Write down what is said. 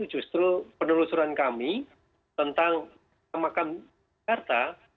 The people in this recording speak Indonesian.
justru penelusuran kami tentang makam jakarta